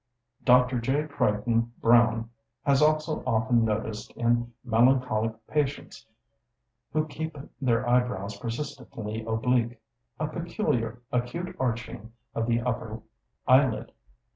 Dr. J. Crichton Browne has also often noticed in melancholic patients who keep their eyebrows persistently oblique, "a peculiar acute arching of the upper eyelid."